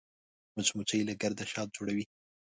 مچمچۍ له ګرده شات جوړوي